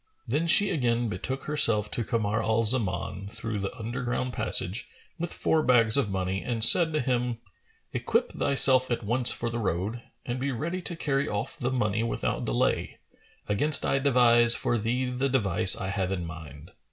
Then she again betook herself to Kamar al Zaman through the underground passage, with four bags of money, and said to him, "Equip thyself at once for the road and be ready to carry off the money without delay, against I devise for thee the device I have in mind."